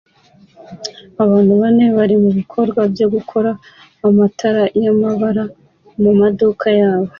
Abantu bane bari mubikorwa byo gukora amatara yamabara mumaduka yabo